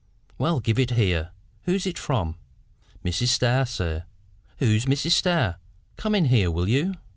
"Well, give it here. Who's it from?" "Mrs. Starr, sir." "Who's Mrs. Starr? Come in here, will you?"